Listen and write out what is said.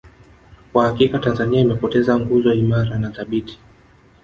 Kwa hakika Tanzania imepoteza nguzo imara na thabiti